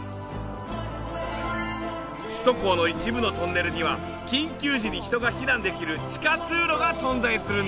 首都高の一部のトンネルには緊急時に人が避難できる地下通路が存在するんだ。